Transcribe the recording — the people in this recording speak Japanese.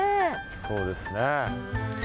そうですね。